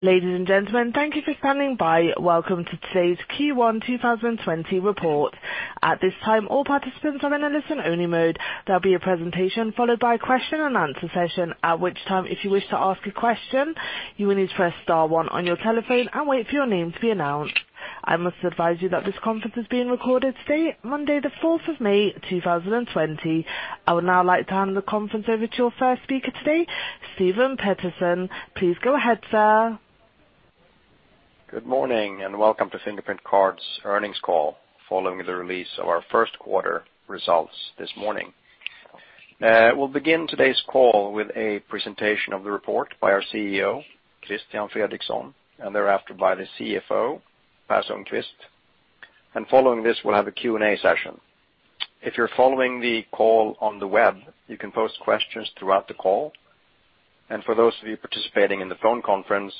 Ladies and gentlemen, thank you for standing by. Welcome to today's Q1 2020 report. At this time, all participants are in a listen-only mode. There'll be a presentation followed by a question and answer session, at which time if you wish to ask a question, you will need to press star one on your telephone and wait for your name to be announced. I must advise you that this conference is being recorded today, Monday the 4th of May, 2020. I would now like to hand the conference over to your first speaker today, Stefan Pettersson. Please go ahead, sir. Good morning, welcome to Fingerprint Cards' earnings call following the release of our first quarter results this morning. We'll begin today's call with a presentation of the report by our CEO, Christian Fredrikson, thereafter by the CFO, Per Sundqvist. Following this, we'll have a Q&A session. If you're following the call on the web, you can post questions throughout the call. For those of you participating in the phone conference,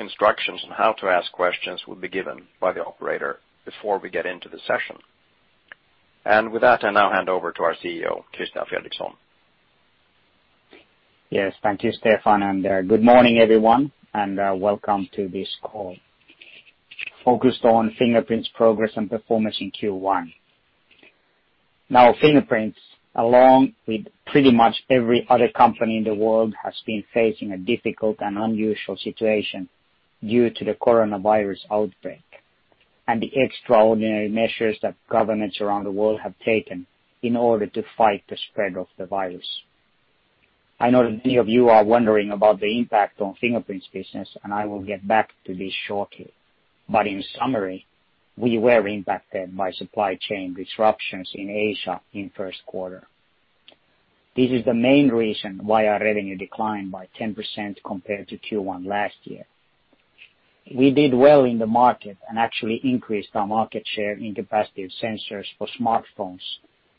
instructions on how to ask questions will be given by the operator before we get into the session. With that, I now hand over to our CEO, Christian Fredrikson. Yes. Thank you, Stefan, and good morning, everyone, and welcome to this call focused on Fingerprint's progress and performance in Q1. Fingerprint, along with pretty much every other company in the world, has been facing a difficult and unusual situation due to the coronavirus outbreak and the extraordinary measures that governments around the world have taken in order to fight the spread of the virus. I know that many of you are wondering about the impact on Fingerprint's business, and I will get back to this shortly. In summary, we were impacted by supply chain disruptions in Asia in first quarter. This is the main reason why our revenue declined by 10% compared to Q1 last year. We did well in the market and actually increased our market share in capacitive sensors for smartphones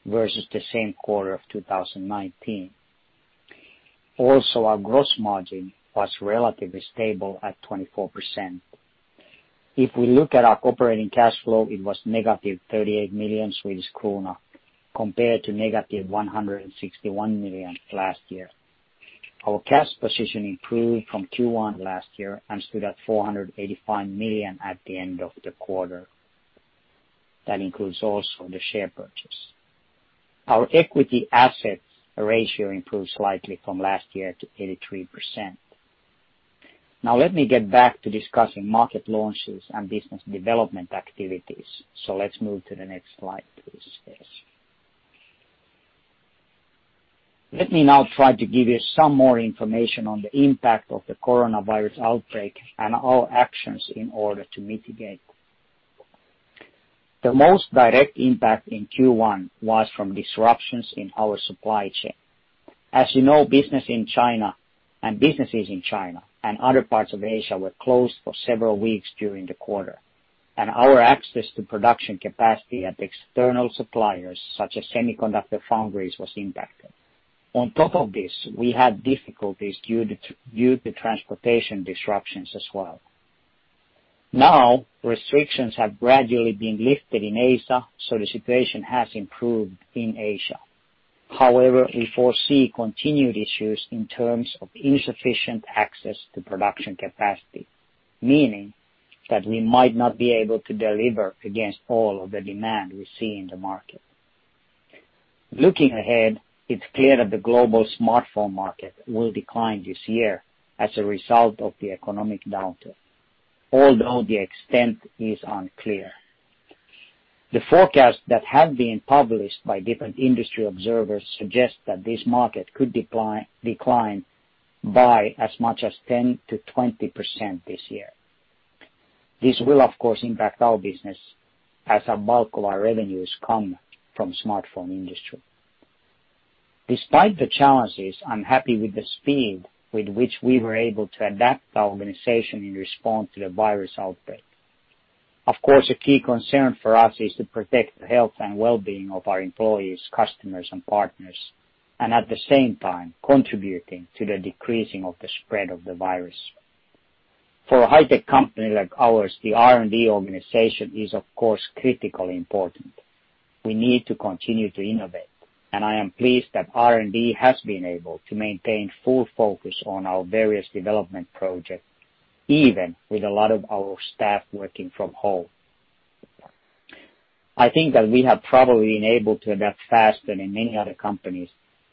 versus the same quarter of 2019. Our gross margin was relatively stable at 24%. If we look at our operating cash flow, it was negative 38 million Swedish krona compared to negative 161 million last year. Our cash position improved from Q1 last year and stood at 485 million at the end of the quarter. That includes also the share purchase. Our equity assets ratio improved slightly from last year to 83%. Let me get back to discussing market launches and business development activities. Let's move to the next slide, please, Stace. Let me now try to give you some more information on the impact of the coronavirus outbreak and our actions in order to mitigate. The most direct impact in Q1 was from disruptions in our supply chain. As you know, business in China and businesses in China and other parts of Asia were closed for several weeks during the quarter, and our access to production capacity at external suppliers, such as semiconductor foundries, was impacted. On top of this, we had difficulties due to transportation disruptions as well. Restrictions have gradually been lifted in Asia, so the situation has improved in Asia. However, we foresee continued issues in terms of insufficient access to production capacity, meaning that we might not be able to deliver against all of the demand we see in the market. Looking ahead, it's clear that the global smartphone market will decline this year as a result of the economic downturn, although the extent is unclear. The forecasts that have been published by different industry observers suggest that this market could decline by as much as 10%-20% this year. This will, of course, impact our business as a bulk of our revenues come from smartphone industry. Despite the challenges, I am happy with the speed with which we were able to adapt the organization in response to the virus outbreak. Of course, a key concern for us is to protect the health and well-being of our employees, customers, and partners, and at the same time, contributing to the decreasing of the spread of the virus. For a high-tech company like ours, the R&D organization is, of course, critically important. We need to continue to innovate, and I am pleased that R&D has been able to maintain full focus on our various development projects, even with a lot of our staff working from home. I think that we have probably been able to adapt faster than many other companies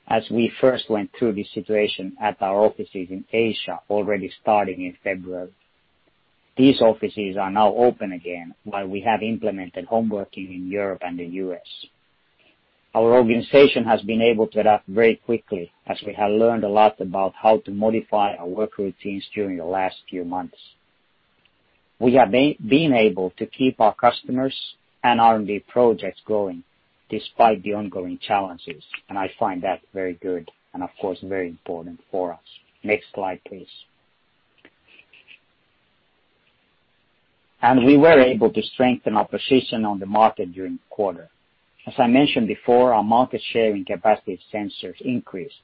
as we first went through this situation at our offices in Asia already starting in February. These offices are now open again while we have implemented home working in Europe and the U.S. Our organization has been able to adapt very quickly as we have learned a lot about how to modify our work routines during the last few months. We have been able to keep our customers and R&D projects going despite the ongoing challenges, and I find that very good and, of course, very important for us. Next slide, please. We were able to strengthen our position on the market during the quarter. As I mentioned before, our market share in capacitive sensors increased.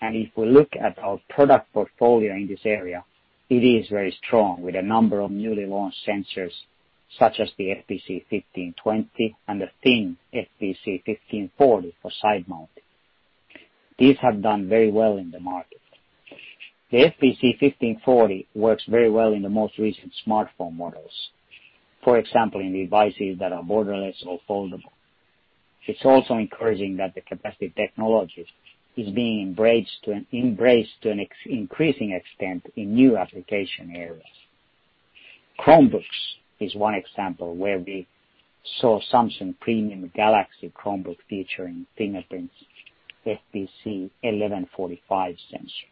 If we look at our product portfolio in this area, it is very strong with a number of newly launched sensors, such as the FPC1520 and the thin FPC1540 for side mount. These have done very well in the market. The FPC1540 works very well in the most recent smartphone models. For example, in devices that are borderless or foldable. It's also encouraging that the capacitive technology is being embraced to an increasing extent in new application areas. Chromebooks is one example where we saw Samsung premium Galaxy Chromebook featuring Fingerprint's FPC1145 sensor.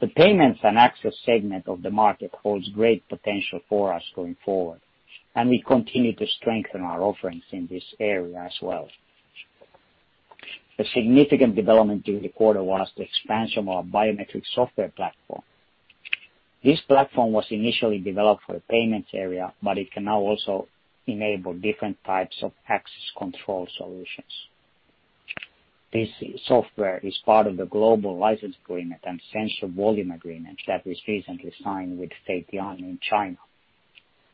The payments and access segment of the market holds great potential for us going forward, and we continue to strengthen our offerings in this area as well. A significant development during the quarter was the expansion of our biometric software platform. This platform was initially developed for the payments area, but it can now also enable different types of access control solutions. This software is part of the global license agreement and sensor volume agreement that was recently signed with Feitian in China.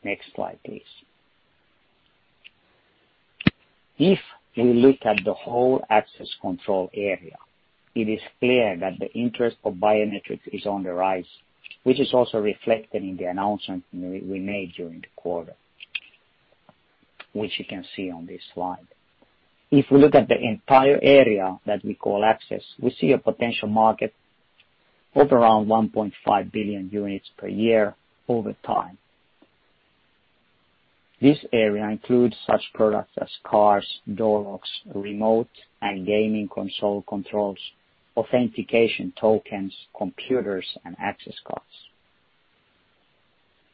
Next slide, please. If we look at the whole access control area, it is clear that the interest for biometrics is on the rise, which is also reflected in the announcement we made during the quarter, which you can see on this slide. If we look at the entire area that we call access, we see a potential market of around 1.5 billion units per year over time. This area includes such products as cars, door locks, remote and gaming console controls, authentication tokens, computers, and access cards.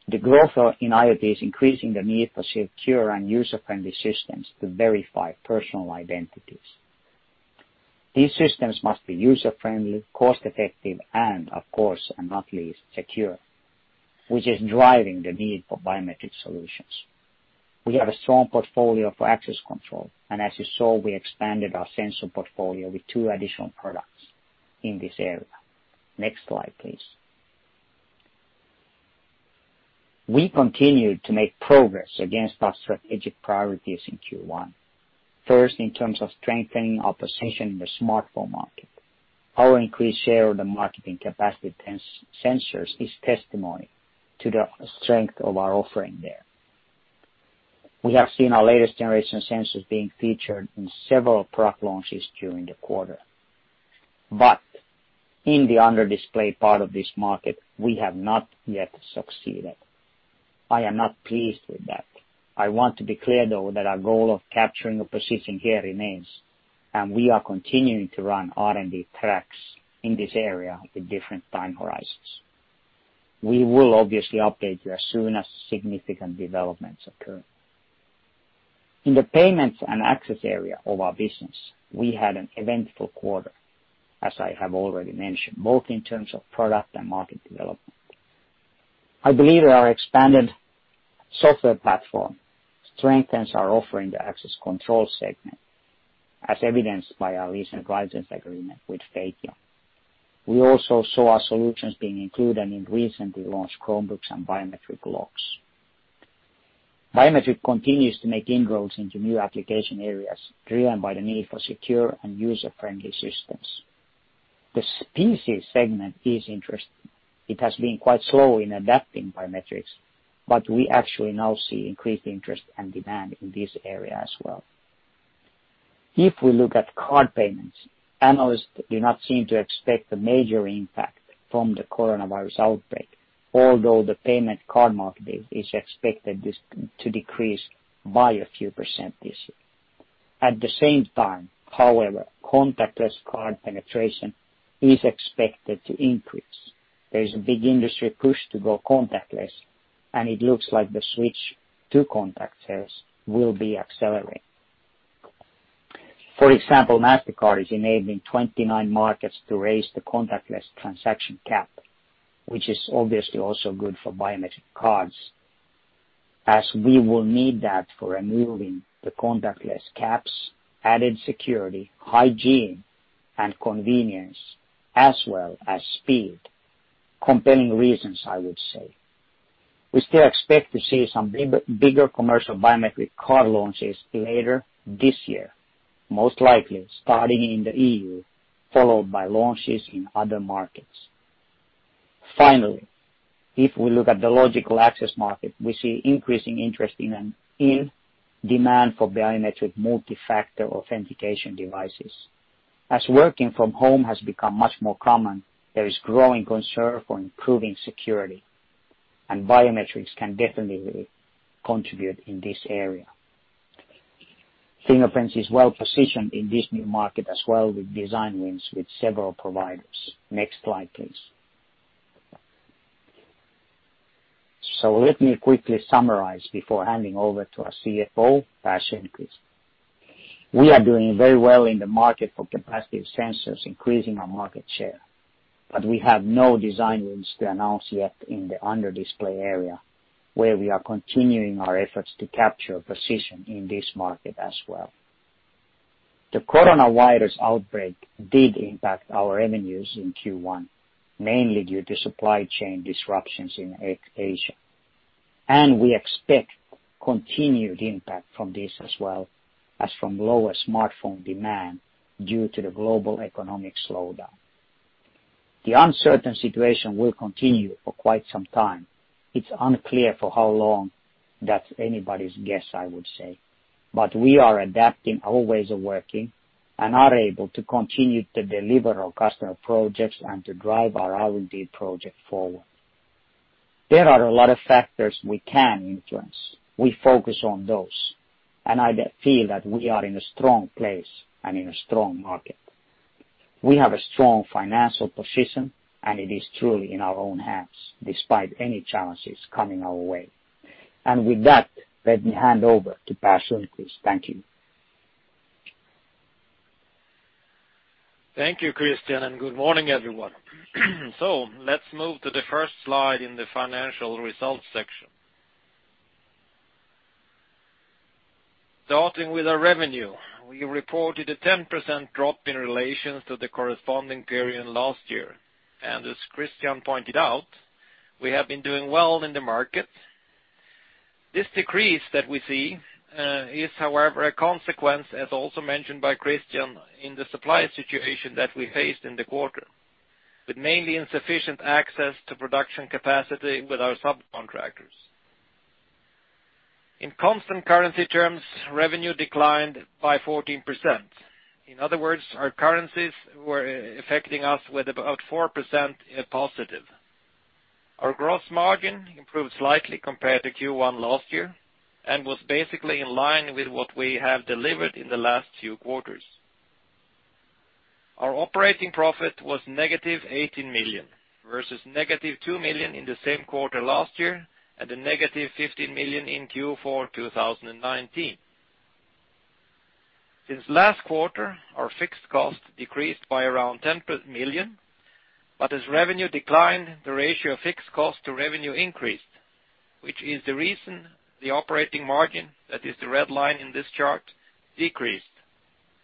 The growth in IoT is increasing the need for secure and user-friendly systems to verify personal identities. These systems must be user-friendly, cost-effective, and of course, and not least, secure, which is driving the need for biometric solutions. We have a strong portfolio for access control, and as you saw, we expanded our sensor portfolio with two additional products in this area. Next slide, please. We continued to make progress against our strategic priorities in Q1. First, in terms of strengthening our position in the smartphone market. Our increased share of the market in capacitive sensors is testimony to the strength of our offering there. We have seen our latest generation sensors being featured in several product launches during the quarter. In the under-display part of this market, we have not yet succeeded. I am not pleased with that. I want to be clear, though, that our goal of capturing a position here remains, and we are continuing to run R&D tracks in this area with different time horizons. We will obviously update you as soon as significant developments occur. In the payments and access area of our business, we had an eventful quarter, as I have already mentioned, both in terms of product and market development. I believe our expanded software platform strengthens our offering in the access control segment, as evidenced by our recent license agreement with Feitian. We also saw our solutions being included in recently launched Chromebooks and biometric locks. Biometric continues to make inroads into new application areas driven by the need for secure and user-friendly systems. The PC segment is interesting. It has been quite slow in adapting biometrics. We actually now see increased interest and demand in this area as well. If we look at card payments, analysts do not seem to expect a major impact from the coronavirus outbreak, although the payment card market is expected to decrease by a few % this year. At the same time, however, contactless card penetration is expected to increase. There is a big industry push to go contactless, and it looks like the switch to contactless will be accelerating. For example, Mastercard is enabling 29 markets to raise the contactless transaction cap, which is obviously also good for biometric cards, as we will need that for removing the contactless caps, added security, hygiene, and convenience, as well as speed. Compelling reasons, I would say. We still expect to see some bigger commercial biometric card launches later this year, most likely starting in the EU, followed by launches in other markets. Finally, if we look at the logical access market, we see increasing interest in demand for biometric multi-factor authentication devices. As working from home has become much more common, there is growing concern for improving security, and biometrics can definitely contribute in this area. Fingerprint is well positioned in this new market as well with design wins with several providers. Next slide, please. Let me quickly summarize before handing over to our CFO, Per Sundqvist. We are doing very well in the market for capacitive sensors, increasing our market share, but we have no design wins to announce yet in the under-display area, where we are continuing our efforts to capture a position in this market as well. The coronavirus outbreak did impact our revenues in Q1, mainly due to supply chain disruptions in Asia. We expect continued impact from this as well as from lower smartphone demand due to the global economic slowdown. The uncertain situation will continue for quite some time. It's unclear for how long. That's anybody's guess, I would say. We are adapting our ways of working and are able to continue to deliver our customer projects and to drive our R&D project forward. There are a lot of factors we can influence. We focus on those, and I feel that we are in a strong place and in a strong market. We have a strong financial position, and it is truly in our own hands despite any challenges coming our way. With that, let me hand over to Per Sundqvist. Thank you. Thank you, Christian. Good morning, everyone. Let's move to the first slide in the financial results section. Starting with our revenue, we reported a 10% drop in relation to the corresponding period last year. As Christian pointed out, we have been doing well in the market. This decrease that we see is however a consequence, as also mentioned by Christian, in the supply situation that we faced in the quarter, with mainly insufficient access to production capacity with our subcontractors. In constant currency terms, revenue declined by 14%. In other words, our currencies were affecting us with about 4% positive. Our gross margin improved slightly compared to Q1 last year and was basically in line with what we have delivered in the last few quarters. Our operating profit was negative 18 million, versus negative 2 million in the same quarter last year, and a negative 15 million in Q4 2019. Since last quarter, our fixed cost decreased by around 10 million. As revenue declined, the ratio of fixed cost to revenue increased, which is the reason the operating margin, that is the red line in this chart, decreased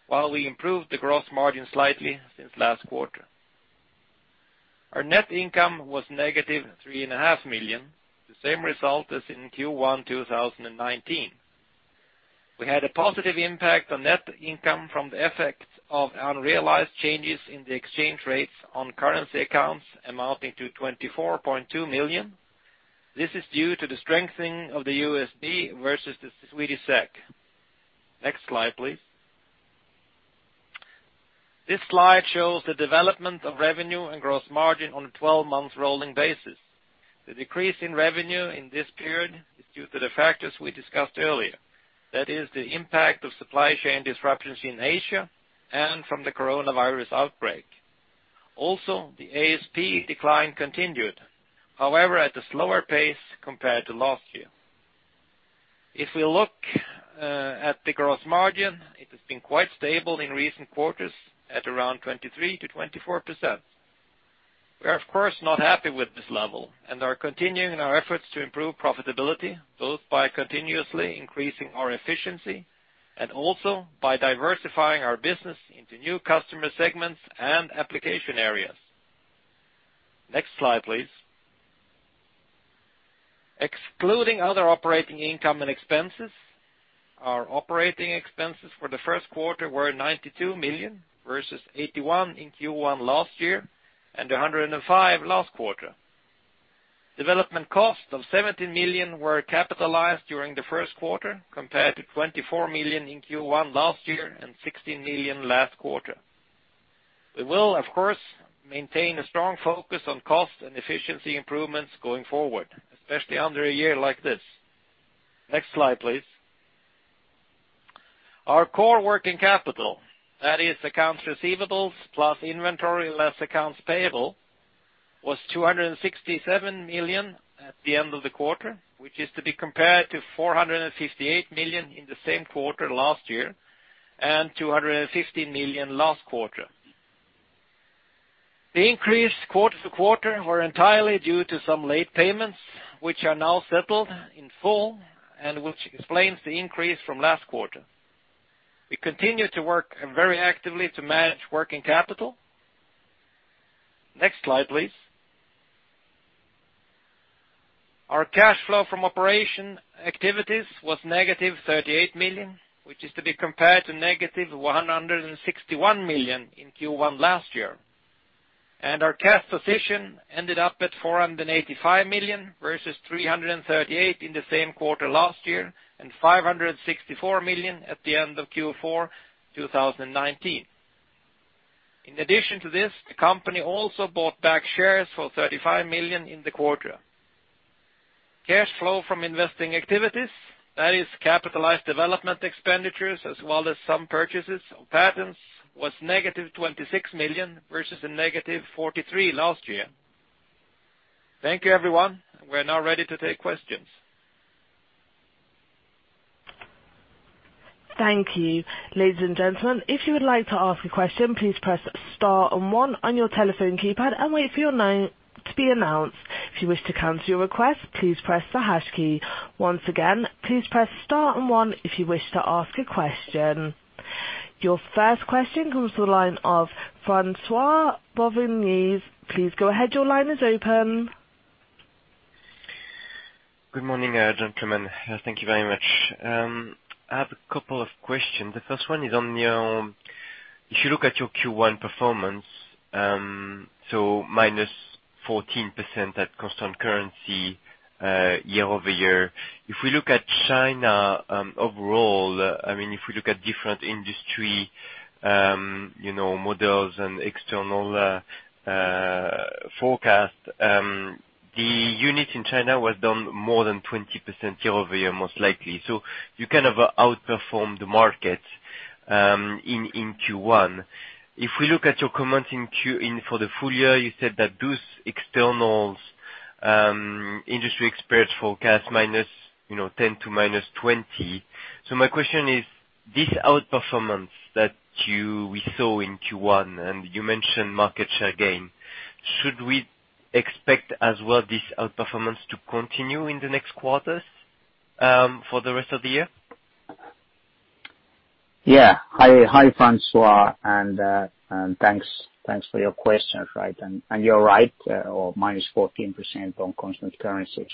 while we improved the gross margin slightly since last quarter. Our net income was negative 3.5 million, the same result as in Q1 2019. We had a positive impact on net income from the effect of unrealized changes in the exchange rates on currency accounts amounting to 24.2 million. This is due to the strengthening of the USD versus the Swedish SEK. Next slide, please. This slide shows the development of revenue and gross margin on a 12-month rolling basis. The decrease in revenue in this period is due to the factors we discussed earlier. That is the impact of supply chain disruptions in Asia and from the coronavirus outbreak. The ASP decline continued, however, at a slower pace compared to last year. If we look at the gross margin, it has been quite stable in recent quarters at around 23%-24%. We are of course not happy with this level and are continuing in our efforts to improve profitability, both by continuously increasing our efficiency and also by diversifying our business into new customer segments and application areas. Next slide, please. Excluding other operating income and expenses, our operating expenses for the first quarter were 92 million versus 81 in Q1 last year and 105 last quarter. Development costs of 17 million were capitalized during the first quarter, compared to 24 million in Q1 last year and 16 million last quarter. We will, of course, maintain a strong focus on cost and efficiency improvements going forward, especially under a year like this. Next slide, please. Our core working capital, that is accounts receivables plus inventory, less accounts payable, was 267 million at the end of the quarter, which is to be compared to 458 million in the same quarter last year and 215 million last quarter. The increase quarter-to-quarter were entirely due to some late payments, which are now settled in full and which explains the increase from last quarter. We continue to work very actively to manage working capital. Next slide, please. Our cash flow from operation activities was negative 38 million, which is to be compared to negative 161 million in Q1 last year. Our cash position ended up at 485 million, versus 338 in the same quarter last year and 564 million at the end of Q4 2019. In addition to this, the company also bought back shares for 35 million in the quarter. Cash flow from investing activities, that is capitalized development expenditures as well as some purchases of patents, was negative 26 million, versus a negative 43 last year. Thank you, everyone. We're now ready to take questions. Thank you. Ladies and gentlemen, if you would like to ask a question, please press star and one on your telephone keypad and wait for your name to be announced. If you wish to cancel your request, please press the hash key. Once again, please press star and one if you wish to ask a question. Your first question comes to the line of Francois Bouvignies. Please go ahead. Your line is open. Good morning, gentlemen. Thank you very much. I have a couple of questions. The first one is, if you look at your Q1 performance, -14% at constant currency year-over-year. If we look at China overall, if we look at different industry models and external forecasts, the units in China was down more than 20% year-over-year, most likely. You kind of outperformed the market in Q1. If we look at your comments for the full year, you said that those externals industry experts forecast -10% to -20%. My question is, this outperformance that we saw in Q1, and you mentioned market share gain, should we expect as well this outperformance to continue in the next quarters for the rest of the year? Hi, Francois, thanks for your questions. You're right, minus 14% on constant currency.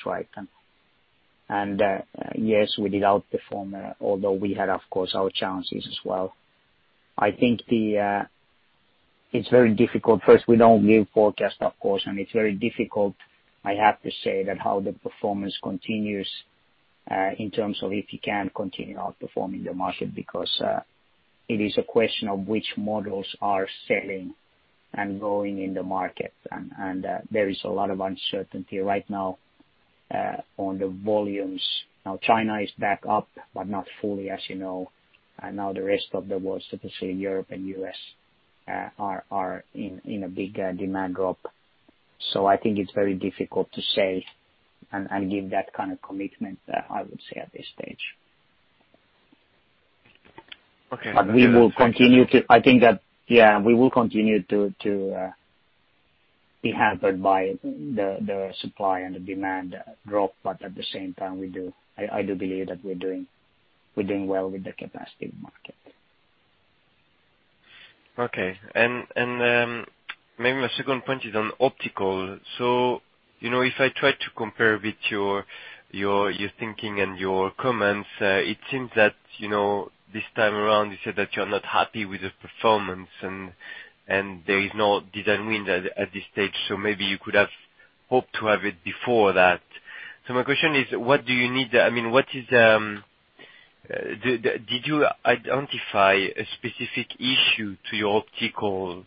Yes, we did outperform, although we had, of course, our challenges as well. I think it's very difficult. First, we don't give forecast, of course, it's very difficult, I have to say, that how the performance continues, in terms of if you can continue outperforming the market, because it is a question of which models are selling and going in the market. There is a lot of uncertainty right now on the volumes. Now China is back up, not fully, as you know. Now the rest of the world, so to say, Europe and U.S. are in a big demand drop. I think it's very difficult to say and give that kind of commitment, I would say, at this stage. Okay. We will continue to be hampered by the supply and the demand drop. At the same time, I do believe that we're doing well with the capacity in the market. Okay. Maybe my second point is on optical. If I try to compare with your thinking and your comments, it seems that this time around you said that you're not happy with the performance, there is no design win at this stage, maybe you could have hoped to have it before that. My question is, did you identify a specific issue to your optical,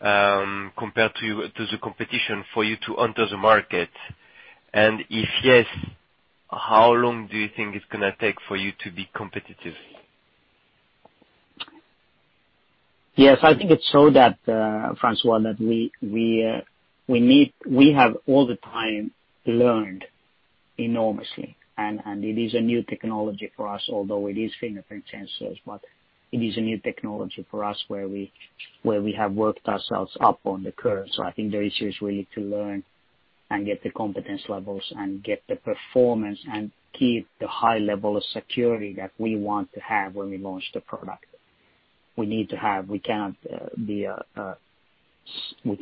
compared to the competition for you to enter the market? If yes, how long do you think it's going to take for you to be competitive? Yes. I think it's so, Francois, that we have all the time learned enormously. It is a new technology for us, although it is fingerprint sensors. It is a new technology for us where we have worked ourselves up on the curve. I think the issue is really to learn and get the competence levels and get the performance and keep the high level of security that we want to have when we launch the product. We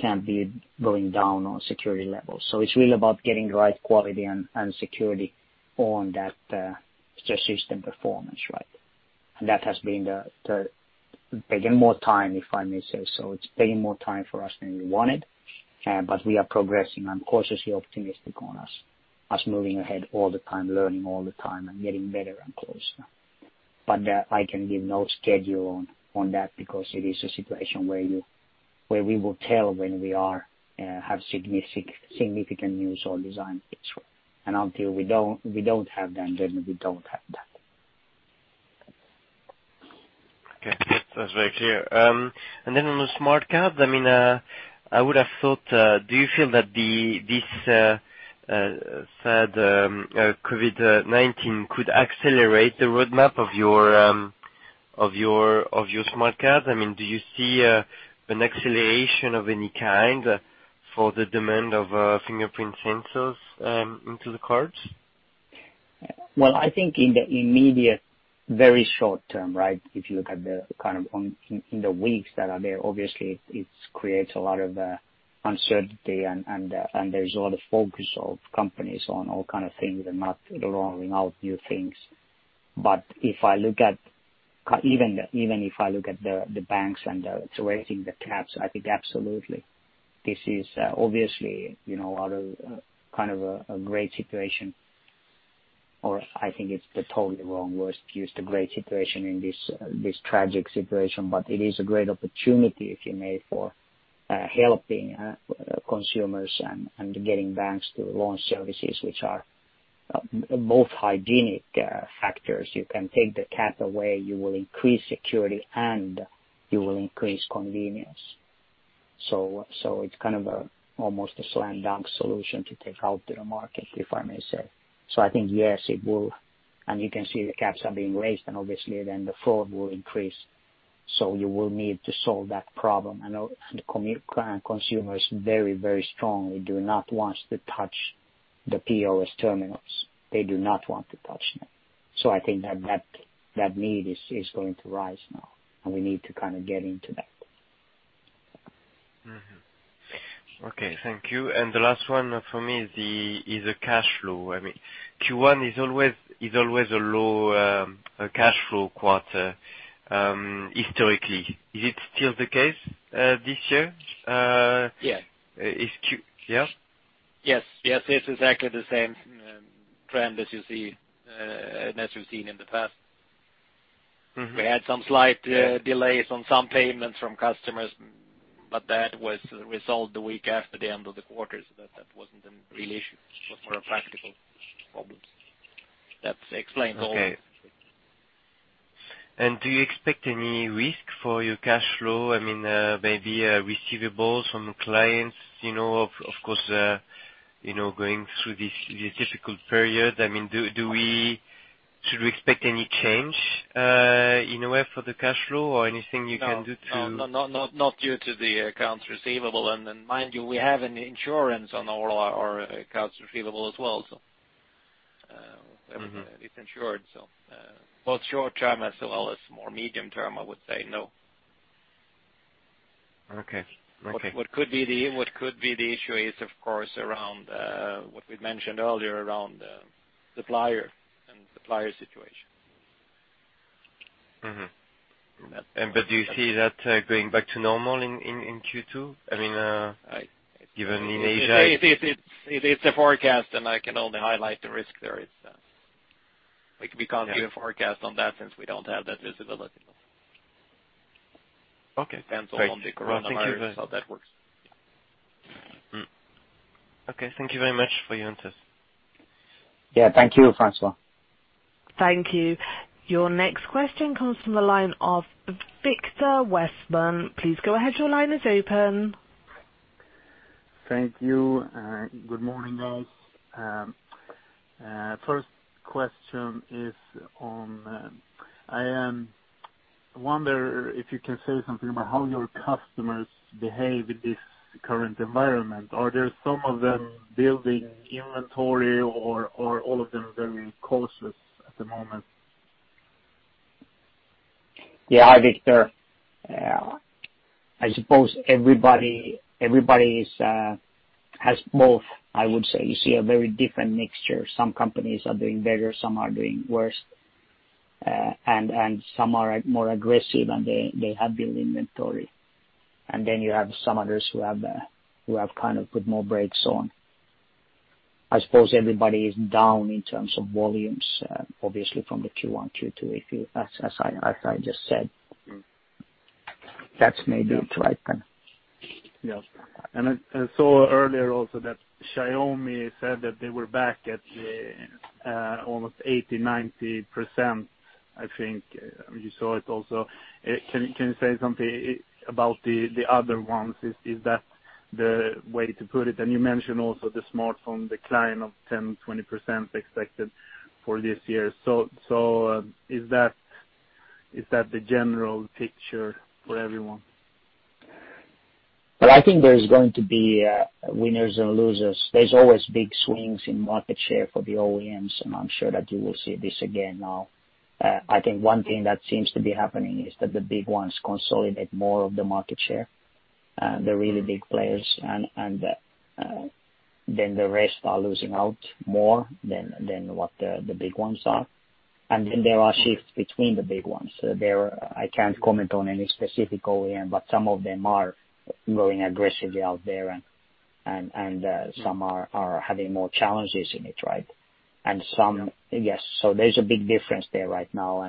can't be going down on security levels. It's really about getting the right quality and security on that system performance. That has been taking more time, if I may say so. It's taking more time for us than we wanted. We are progressing. I'm cautiously optimistic on us moving ahead all the time, learning all the time, and getting better and closer. I can give no schedule on that because it is a situation where we will tell when we have significant news or design wins. Until we don't have them, then we don't have that. Okay. That's very clear. Then on the smart card, I would have thought, do you feel that this sad COVID-19 could accelerate the roadmap of your smart card? Do you see an acceleration of any kind for the demand of fingerprint sensors into the cards? I think in the immediate, very short term, if you look in the weeks that are there, obviously it creates a lot of uncertainty and there's a lot of focus of companies on all kind of things and not rolling out new things. Even if I look at the banks and the raising the caps, I think absolutely, this is obviously, kind of a great situation or I think it's the totally wrong word to use, the great situation in this tragic situation, but it is a great opportunity, if you may, for helping consumers and getting banks to launch services, which are both hygienic factors. You can take the cap away, you will increase security and you will increase convenience. It's kind of almost a slam dunk solution to take out to the market, if I may say. I think, yes, it will. You can see the caps are being raised, and obviously then the fraud will increase. You will need to solve that problem. Consumers very strongly do not want to touch the POS terminals. They do not want to touch them. I think that need is going to rise now, and we need to get into that. Okay, thank you. The last one for me is the cash flow. I mean, Q1 is always a low cash flow quarter historically. Is it still the case this year? Yes. Is Q Yes? Yes. It is exactly the same trend as you have seen in the past. We had some slight delays on some payments from customers, but that was resolved the week after the end of the quarter, so that wasn't a real issue. It was more a practical problem. That explains all. Okay. Do you expect any risk for your cash flow? I mean, maybe receivables from clients, of course, going through this difficult period. Should we expect any change in a way for the cash flow? No, not due to the accounts receivable. Mind you, we have an insurance on all our accounts receivable as well. It's insured, so both short-term as well as more medium-term, I would say no. Okay. What could be the issue is, of course, around what we'd mentioned earlier around supplier and supplier situation. And that Do you see that going back to normal in Q2? I mean. I Given in Asia. It's a forecast, and I can only highlight the risk there is. We can't give a forecast on that since we don't have that visibility. Okay. Great. It depends on the coronavirus, how that works. Okay. Thank you very much for your answers. Yeah. Thank you, Francois. Thank you. Your next question comes from the line of Viktor Westman. Please go ahead. Your line is open. Thank you. Good morning, guys. First question is on, I am wonder if you can say something about how your customers behave in this current environment. Are there some of them building inventory or all of them very cautious at the moment? Yeah. Hi, Viktor. I suppose everybody has both, I would say. You see a very different mixture. Some companies are doing better, some are doing worse, and some are more aggressive, and they have built inventory. You have some others who have kind of put more brakes on. I suppose everybody is down in terms of volumes, obviously from the Q1, Q2, as I just said. That's maybe right then. Yeah. I saw earlier also that Xiaomi said that they were back at almost 80%, 90%, I think. You saw it also. Can you say something about the other ones? Is that the way to put it? You mentioned also the smartphone decline of 10%, 20% expected for this year. Is that the general picture for everyone? Well, I think there's going to be winners and losers. There's always big swings in market share for the OEMs, and I'm sure that you will see this again now. I think one thing that seems to be happening is that the big ones consolidate more of the market share, the really big players, and then the rest are losing out more than what the big ones are. There are shifts between the big ones. I can't comment on any specific OEM, but some of them are going aggressively out there and some are having more challenges in it, right? Yeah. Some, yes. There's a big difference there right now.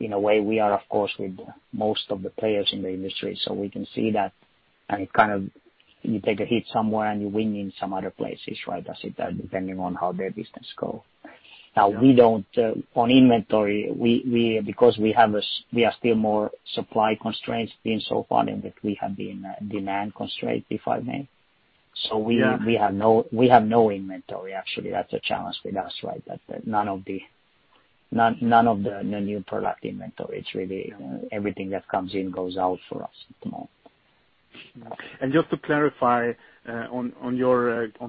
In a way, we are of course with most of the players in the industry, so we can see that, and you take a hit somewhere and you win in some other places, right? As it depending on how their business go. Now we don't, on inventory, because we are still more supply constraints being so far than that we have been demand constraint, if I may. Yeah. We have no inventory actually. That's a challenge with us, right, that none of the new product inventory. It's really everything that comes in goes out for us at the moment. Just to clarify on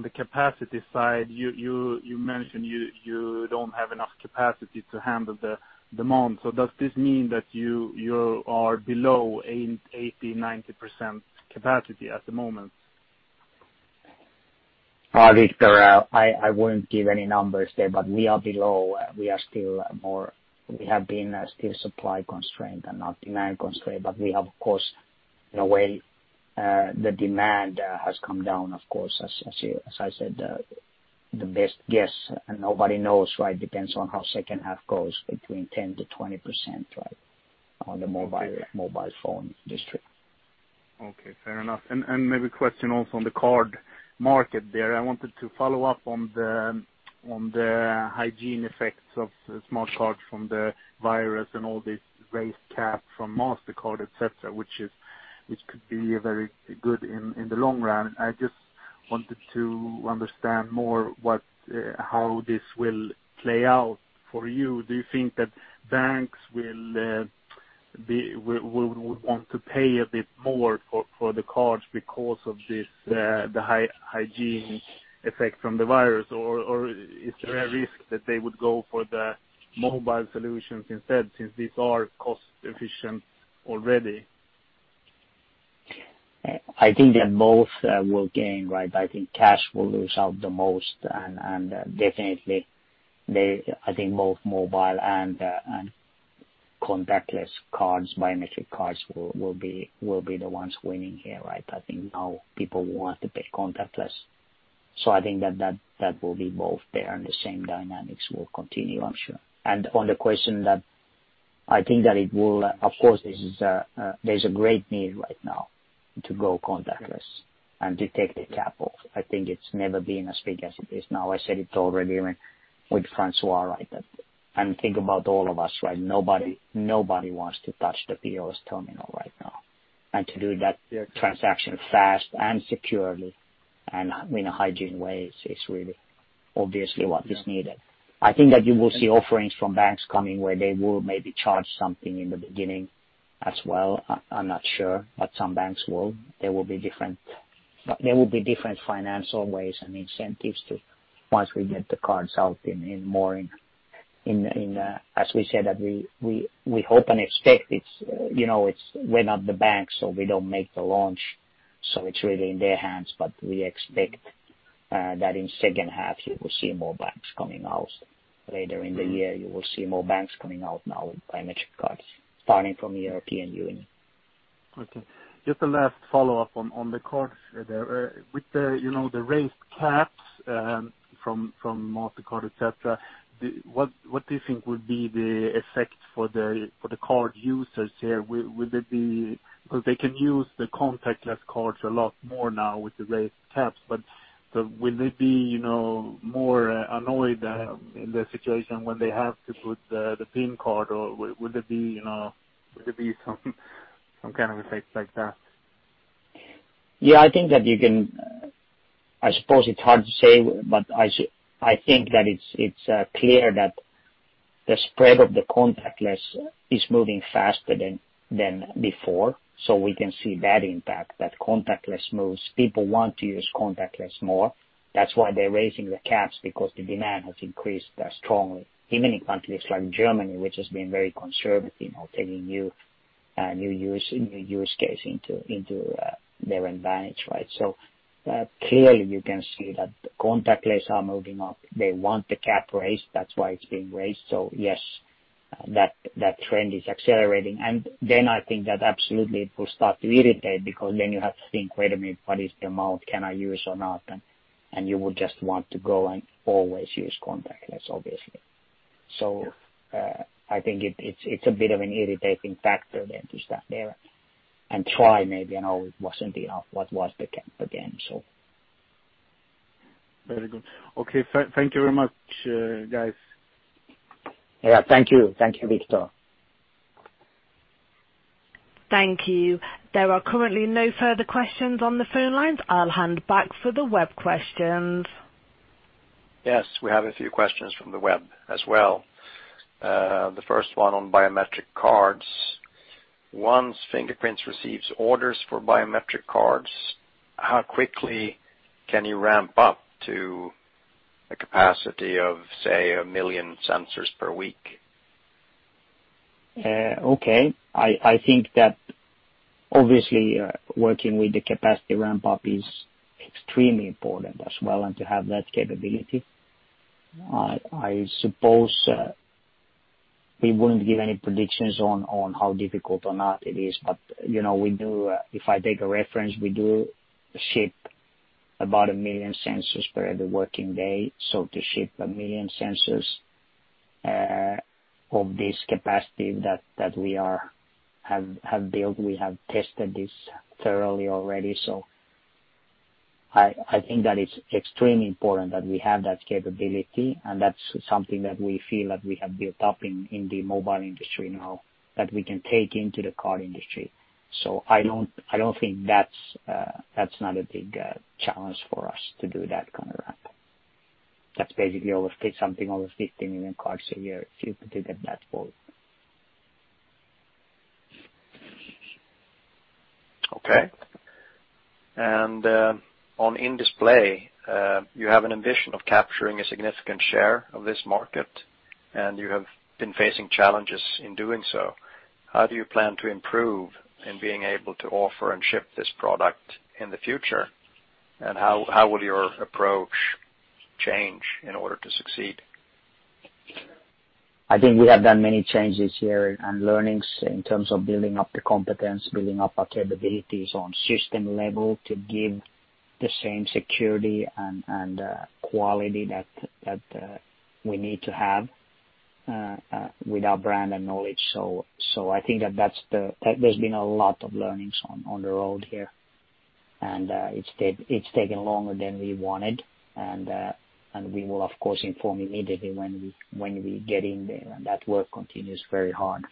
the capacity side, you mentioned you don't have enough capacity to handle the demand. Does this mean that you are below 80%-90% capacity at the moment? Viktor, I wouldn't give any numbers there, but we are below. We have been still supply constraint and not demand constraint. We have, of course, in a way, the demand has come down, of course, as I said, the best guess, and nobody knows, right? Depends on how second half goes between 10%-20%, right? On the mobile phone district. Okay. Fair enough. Maybe a question also on the card market there. I wanted to follow up on the hygiene effects of smart cards from the virus and all this raised cap from Mastercard, et cetera, which could be very good in the long run. I just wanted to understand more how this will play out for you. Do you think that banks would want to pay a bit more for the cards because of the high hygiene effect from the virus? Is there a risk that they would go for the mobile solutions instead, since these are cost efficient already? I think that both will gain. I think cash will lose out the most, and definitely, I think both mobile and contactless cards, biometric cards will be the ones winning here. I think now people want to pay contactless. I think that will be both there and the same dynamics will continue, I'm sure. On the question that I think that it will, of course, there's a great need right now to go contactless and to take the cap off. I think it's never been as big as it is now. I said it already with Francois, and think about all of us. Nobody wants to touch the POS terminal right now. To do that transaction fast and securely and in a hygiene way is really obviously what is needed. I think that you will see offerings from banks coming where they will maybe charge something in the beginning as well. I'm not sure, but some banks will. There will be different financial ways and incentives to once we get the cards out in more in, as we said, that we hope and expect, we're not the banks, so we don't make the launch. It's really in their hands. We expect that in second half, you will see more banks coming out. Later in the year, you will see more banks coming out now with biometric cards, starting from European Union. Okay. Just a last follow-up on the cards there. With the raised caps from Mastercard, et cetera, what do you think would be the effect for the card users here? Because they can use the contactless cards a lot more now with the raised caps, but will they be more annoyed in the situation when they have to put the PIN card? Would there be some kind of effect like that? Yeah, I suppose it's hard to say, but I think that it's clear that the spread of the contactless is moving faster than before. We can see that impact, that contactless moves. People want to use contactless more. That's why they're raising the caps, because the demand has increased strongly, even in countries like Germany, which has been very conservative taking new use case into their advantage. Clearly you can see that the contactless are moving up. They want the cap raised. That's why it's being raised. Yes, that trend is accelerating. Then I think that absolutely it will start to irritate, because then you have to think, "Wait a minute, what is the amount? Can I use or not?" You would just want to go and always use contactless, obviously. Yeah I think it's a bit of an irritating factor then to stop there and try maybe, and, oh, it wasn't enough. What was the cap again? Very good. Okay. Thank you very much, guys. Yeah, thank you. Thank you, Viktor. Thank you. There are currently no further questions on the phone lines. I will hand back for the web questions. Yes, we have a few questions from the web as well. The first one on biometric cards. Once Fingerprint receives orders for biometric cards, how quickly can you ramp up to a capacity of, say, 1 million sensors per week? I think that obviously, working with the capacity ramp-up is extremely important as well, and to have that capability. I suppose we wouldn't give any predictions on how difficult or not it is, if I take a reference, we do ship about 1 million sensors per every working day. To ship 1 million sensors of this capacity that we have built, we have tested this thoroughly already. I think that it's extremely important that we have that capability, and that's something that we feel that we have built up in the mobile industry now that we can take into the card industry. I don't think that's not a big challenge for us to do that kind of ramp. That's basically something over 15 million cards a year if you put it in that way. Okay. On in-display, you have an ambition of capturing a significant share of this market, and you have been facing challenges in doing so. How do you plan to improve in being able to offer and ship this product in the future? How will your approach change in order to succeed? I think we have done many changes here and learnings in terms of building up the competence, building up our capabilities on system level to give the same security and quality that we need to have with our brand and knowledge. I think that there's been a lot of learnings on the road here, and it's taken longer than we wanted, and we will, of course, inform immediately when we get in there, and that work continues very hard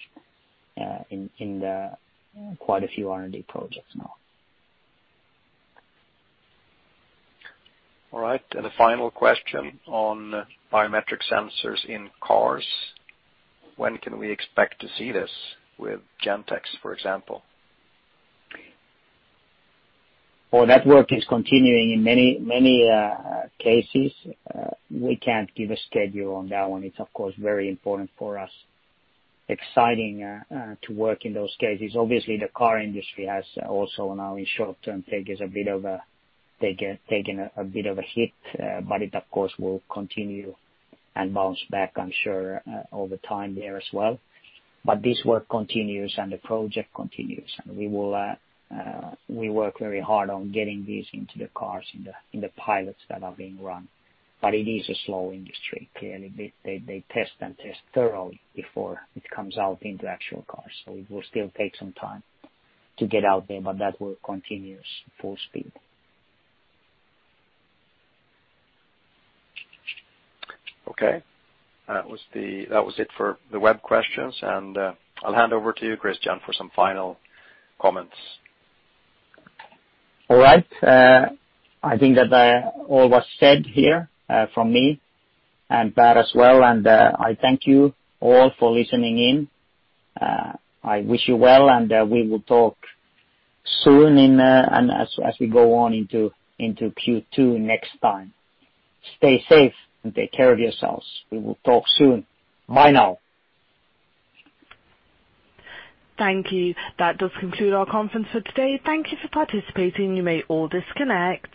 in quite a few R&D projects now. All right. A final question on biometric sensors in cars. When can we expect to see this with Gentex, for example? Well, that work is continuing in many cases. We can't give a schedule on that one. It's of course very important for us, exciting to work in those cases. Obviously, the car industry has also now, in short term, taken a bit of a hit. It, of course, will continue and bounce back, I'm sure, over time there as well. This work continues, and the project continues, and we work very hard on getting these into the cars in the pilots that are being run. It is a slow industry. Clearly, they test and test thoroughly before it comes out into actual cars. It will still take some time to get out there, but that work continues full speed. Okay. That was it for the web questions. I'll hand over to you, Christian, for some final comments. All right. I think that all was said here from me and Per as well. I thank you all for listening in. I wish you well. We will talk soon as we go on into Q2 next time. Stay safe. Take care of yourselves. We will talk soon. Bye now. Thank you. That does conclude our conference for today. Thank you for participating. You may all disconnect.